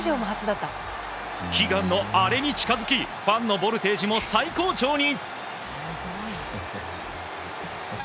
悲願のアレに近づきファンのボルテージも最高潮に。